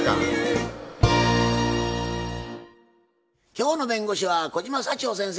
今日の弁護士は小島幸保先生です。